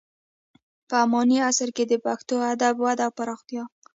په اماني عصر کې د پښتو ادب وده او پراختیا: